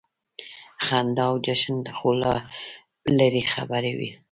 خندا او جشن خو لا لرې خبره وه.